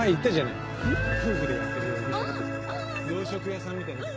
洋食屋さんみたいな。